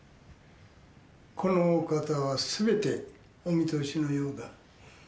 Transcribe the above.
このお方はすべてお見通しのようだ。